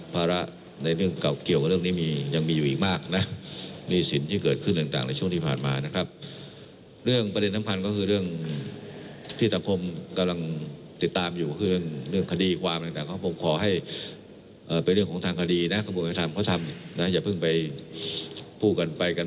ตรวจสอบของกระบวนวิธีธรรมเขานะ